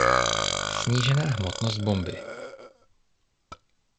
Snížená hmotnost bomby.